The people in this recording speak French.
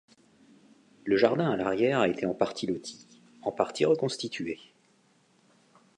Le jardin à l'arrière a été en partie loti, en partie reconstitué.